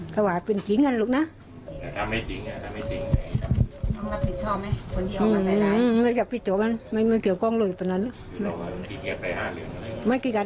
อ๋อไม่เรียงริ้งอ๋อไม่จริงก็ต้องไม่จริงก็ต้องไม่เรียงริ้ง